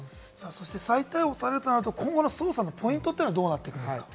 再逮捕されるとなると、今後の捜査のポイントはどうなっていきますか？